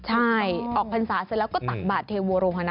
ใช่ออกพรรษาเสร็จแล้วก็ตักบาทเทโวโรฮนะ